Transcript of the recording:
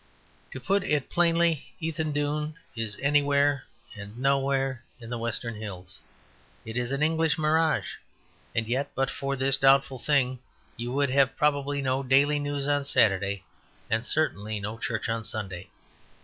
To put it plainly, Ethandune is anywhere and nowhere in the western hills; it is an English mirage. And yet but for this doubtful thing you would have probably no Daily News on Saturday and certainly no church on Sunday.